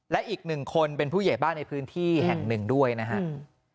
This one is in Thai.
และอีกหนึ่งคนเป็นผู้ใหญ่บ้านในพื้นที่แห่งหนึ่งด้วยนะครับ